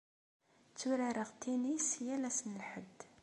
Tturareɣ tennis yal ass n Lḥedd.